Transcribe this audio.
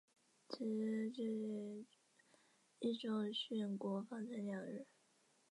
此时距离毅宗殉国方才两日。